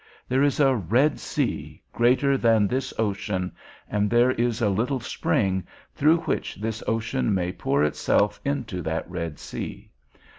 There is a red sea, greater than this ocean, and there is a little spring, through which this ocean may pour itself into that red sea.